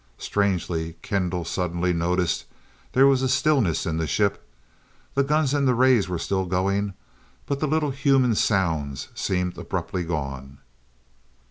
Strangely, Kendall suddenly noticed, there was a stillness in the ship. The guns and the rays were still going but the little human sounds seemed abruptly gone.